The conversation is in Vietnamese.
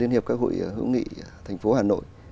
liên hiệp các hội hữu nghị thành phố hà nội